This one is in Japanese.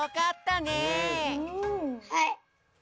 はい。